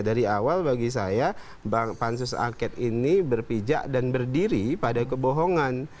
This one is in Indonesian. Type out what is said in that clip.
dari awal bagi saya pansus angket ini berpijak dan berdiri pada kebohongan